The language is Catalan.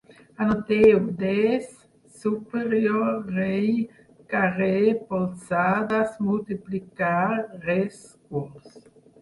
Anoteu: des, superior, rei, carrer, polzades, multiplicar, res, curs